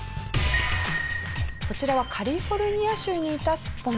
こちらはカリフォルニア州にいたスッポンです。